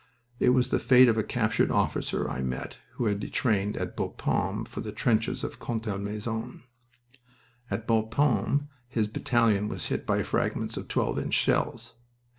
It was the fate of a captured officer I met who had detrained at Bapaume for the trenches at Contalmaison. At Bapaume his battalion was hit by fragments of twelve inch shells.